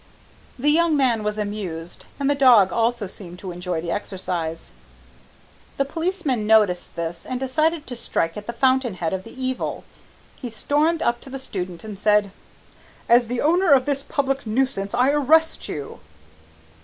The young man was amused, and the dog also seemed to enjoy the exercise. The policeman noticed this and decided to strike at the fountain head of the evil. He stormed up to the student and said, "As the owner of this public nuisance I arrest you!"